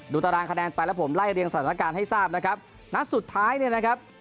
ตารางคะแนนไปแล้วผมไล่เรียงสถานการณ์ให้ทราบนะครับนัดสุดท้ายเนี่ยนะครับ